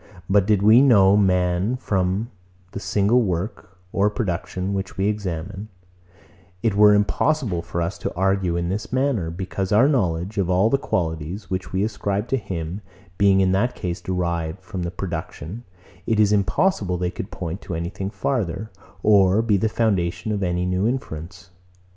But did we know man only from the single work or production which we examine, it were impossible for us to argue in this manner; because our knowledge of all the qualities, which we ascribe to him, being in that case derived from the production, it is impossible they could point to anything farther, or be the foundation of any new inference.